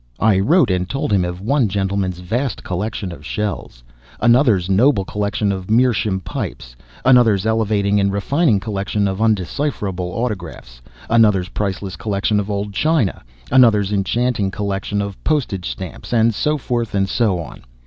I wrote and told him of one gentleman's vast collection of shells; another's noble collection of meerschaum pipes; another's elevating and refining collection of undecipherable autographs; another's priceless collection of old china; another's enchanting collection of postage stamps and so forth and so on.